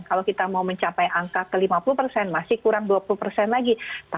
kalau kita mau mencapai angka ke lima puluh persen masih kurang dua puluh persen lagi